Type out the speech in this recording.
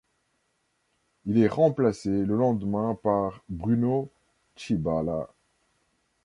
Il est remplacé le lendemain par Bruno Tshibala.